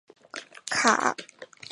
卡那刻。